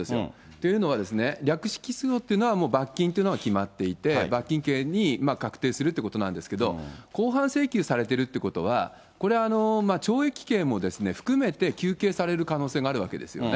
というのは、略式起訴というのは罰金というのが決まっていて、罰金刑に確定するってことなんですけど、公判請求されているということは、これ、懲役刑も含めて求刑される可能性があるわけですよね。